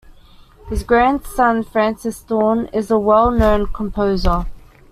His grandson, Francis Thorne, is a well known composer.